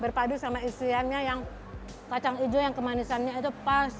berpadu sama isiannya yang kacang hijau yang kemanisannya itu pas